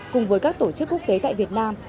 cùng với các tổ chức quốc tế tại việt nam